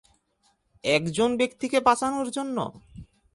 একজন ব্যক্তিকে বাঁচানোর জন্য?